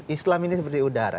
islam ini seperti udara